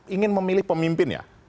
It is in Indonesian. ingin memilih pemimpin ya